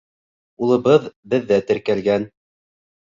Улыбыҙ беҙҙә теркәлгән.